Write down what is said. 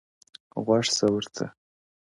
غوږ سه ورته ـ